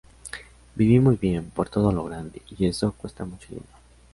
Viví muy bien, por todo lo grande, y eso, cuesta mucho dinero".